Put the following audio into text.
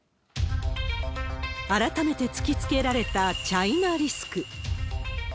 改めて突きつけられたチャイナリスク。